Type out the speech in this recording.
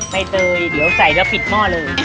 ใบเตยเดี๋ยวใส่แล้วปิดหม้อเลย